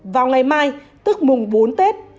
vào ngày mai tức mùng bốn tết